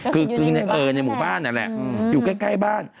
อยู่ในหมู่บ้านอยู่ใกล้บ้าน